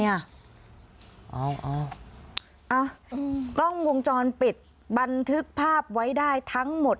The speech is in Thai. เอากล้องวงจรปิดบันทึกภาพไว้ได้ทั้งหมด